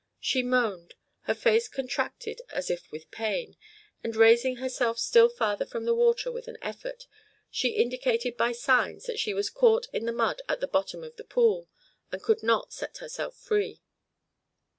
She moaned, her face contracted as if with pain, and, raising herself still farther from the water with an effort, she indicated by signs that she was caught in the mud at the bottom of the pool and could not set herself free.